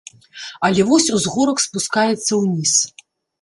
Але вось узгорак спускаецца ўніз.